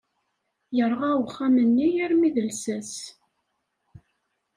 Yerɣa uxxam-nni armi d llsas.